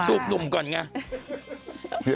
สูบหนุ่มก่อนไง